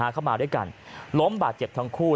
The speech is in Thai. เข้ามาด้วยกันล้มบาดเจ็บทั้งคู่